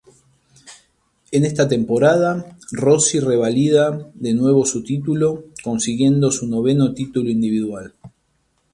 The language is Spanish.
En esta temporada, Rossi revalida de nuevo su título consiguiendo su noveno título individual.